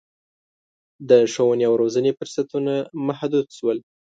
د ښوونې او روزنې فرصتونه محدود شول.